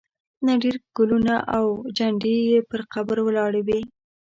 نه ډېر ګلونه او جنډې یې پر قبر ولاړې وې.